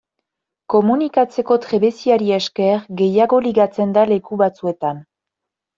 Komunikatzeko trebeziari esker gehiago ligatzen da leku batzuetan.